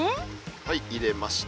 はい入れました。